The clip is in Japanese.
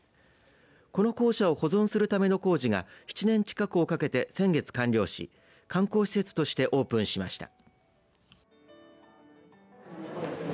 この校舎を保存するための工事が７年近くをかけて先月、完了し観光施設としてオープンしました。